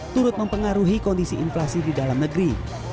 turut mempengaruhi kondisi inflasi di dalam negeri